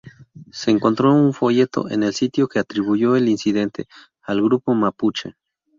Se encontró un folleto en el sitio que atribuyó el incidente al grupo mapuche.